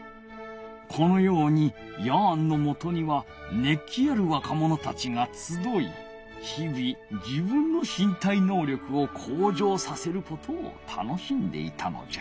このようにヤーンのもとにはねっ気あるわかものたちがつどいひび自分のしん体のう力をこう上させることを楽しんでいたのじゃ。